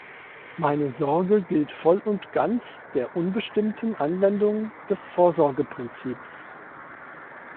Meine Sorge gilt voll und ganz der unbestimmten Anwendung des Vorsorgeprinzips.